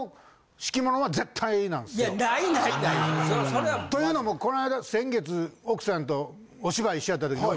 いやないないないそれは。というのもこの間先月奥さんとお芝居一緒やった時に。